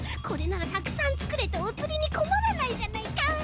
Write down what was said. これならたくさんつくれておつりにこまらないじゃないか。